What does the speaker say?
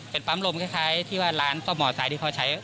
เป็นปั๊มลมคล้ายที่ว่าร้านซ่อมมอไซค์ที่เขาใช้